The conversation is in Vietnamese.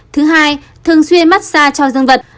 hai thường xuyên mát xa cho dương vật